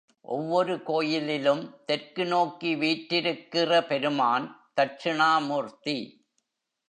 ஒவ்வொரு கோயிலிலும் தெற்கு நோக்கி வீற்றிருக்கிற பெருமான் தட்சிணாமூர்த்தி.